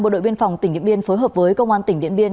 bộ đội biên phòng tỉnh điện biên phối hợp với công an tỉnh điện biên